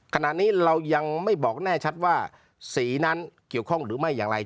ขณะนี้เรายังไม่บอกแน่ชัดว่าสีนั้นเกี่ยวข้องหรือไม่อย่างไร